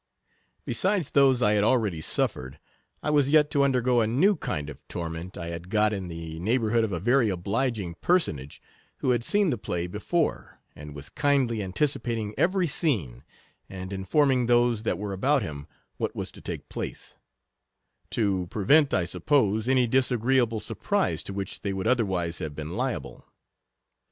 Besides those I had already suffered, I was yet to undergo a new kind of torment I had got in the neighbourhood of a very oblig ing personage, who had seen the play before, and was kindly anticipating every scene, and informing those that were about him what was to take place ; to prevent, I suppose, any disagreeable surprise to which they would otherwise have been liable.